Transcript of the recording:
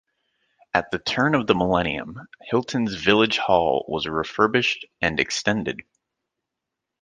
At the turn of the Millennium, Hilton's village hall was refurbished and extended.